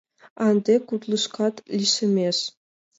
А ынде кудлышкат лишемеш.